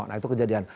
nah itu kejadian